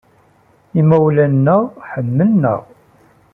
Imawlan-nneɣ ḥemmlen-aɣ.